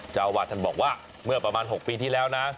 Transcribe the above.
เจ้าอาวาสท่านบอกว่าเมื่อประมาณ๖ปีที่แล้วนะ